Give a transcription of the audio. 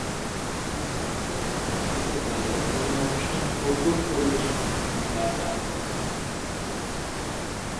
Campus বা ক্যাম্পাসের বাইরের বিভিন্ন অনুষ্ঠানে কৌতুক পরিবেশনের জন্য তাঁর ডাক পড়ে।